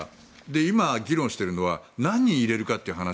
今、議論しているのは何人入れるのかという話。